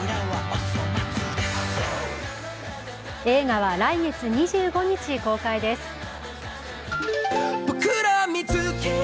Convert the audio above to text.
映画は来月２５日公開です。